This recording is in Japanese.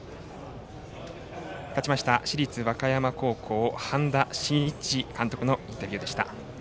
勝ちました、市立和歌山高校半田真一監督のインタビューでした。